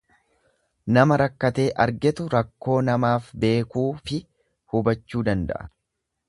Nama rakkatee argetu rakkoo namaaf beekuufi hubachuu danda'a.